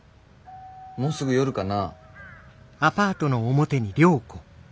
もうすぐ夜かな。